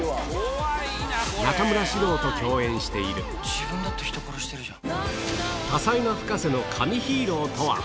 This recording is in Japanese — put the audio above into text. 自分だって人殺してるじゃん。